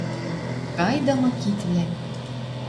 кайдымы китвлӓм